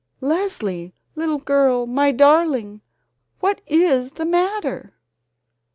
"Leslie, little girl my darling what is the matter?"